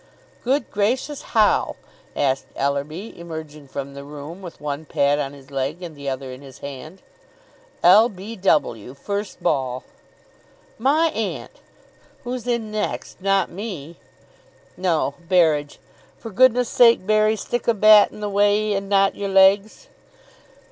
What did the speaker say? "Good gracious! How?" asked Ellerby, emerging from the room with one pad on his leg and the other in his hand. "L. b. w. First ball." "My aunt! Who's in next? Not me?" "No. Berridge. For goodness sake, Berry, stick a bat in the way, and not your legs.